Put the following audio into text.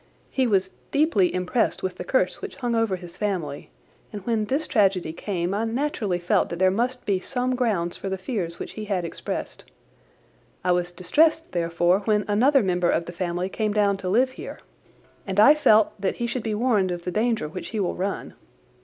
He was deeply impressed with the curse which hung over the family, and when this tragedy came I naturally felt that there must be some grounds for the fears which he had expressed. I was distressed therefore when another member of the family came down to live here, and I felt that he should be warned of the danger which he will run.